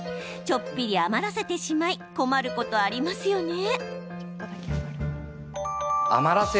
ちょっぴり余らせてしまい困ること、ありますよね。